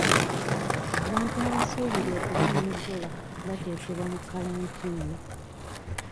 Abantu abasuubirwa okuba ne Ebola batekebwa mu kalantiini.